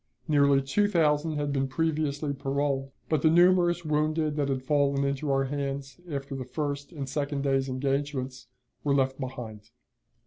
Nearly two thousand had been previously paroled; but the numerous wounded that had fallen into our hands after the first and second day's engagements were left behind.